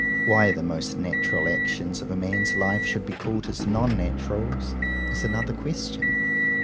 _—Why the most natural actions of a man's life should be called his Non naturals,—is another question.